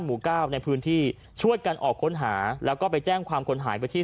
หมู่เก้าในพื้นที่ช่วยกันออกค้นหาแล้วก็ไปแจ้งความคนหายไปที่